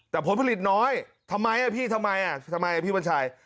แต่ผลผลิตน้อยทำไมอ่ะพี่ทำไมอ่ะทำไมอ่ะพี่วันชาย